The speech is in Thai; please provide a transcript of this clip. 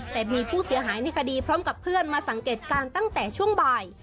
แต่มีผู้เสียหายในคดีพร้อมกับเพื่อนมาสังเกตการณ์ตั้งแต่ช่วงบ่าย